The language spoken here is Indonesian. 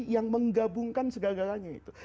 yang menggabungkan segala galanya itu